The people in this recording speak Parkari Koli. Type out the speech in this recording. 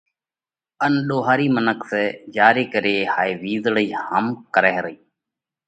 ان ۮوهارِي منک سئہ جيا ري ڪري هائي وِيزۯئِي هم ڪرئه رئِي۔